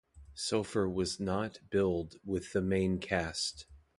Sofer was not billed with the main cast.